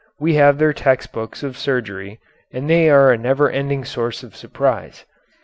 We have their text books of surgery and they are a never ending source of surprise.